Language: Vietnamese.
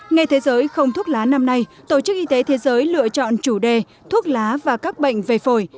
ngày thế giới không thuốc lá năm nay tổ chức y tế thế giới lựa chọn chủ đề thuốc lá và các bệnh về phổi